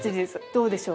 どうでしょう？